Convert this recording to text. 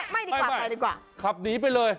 ไม่ค่ะคับหนีไปเลย